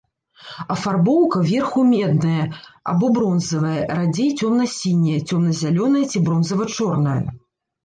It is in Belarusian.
Афарбоўка верху медная або бронзавая, радзей цёмна-сіняя, цёмна-зялёная ці бронзава-чорная.